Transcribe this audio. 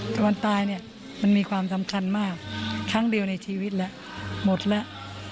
แต่วันตายเนี่ยมันมีความสำคัญมากครั้งเดียวในชีวิตแล้วหมดแล้ว